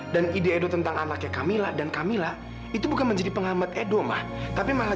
dan ide edo tentang anaknya camilla dan camilla itu bukan menjadi penghormat edo ma tapi malah